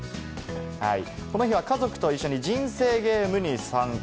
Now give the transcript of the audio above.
この日は家族と一緒に人生ゲームに参加。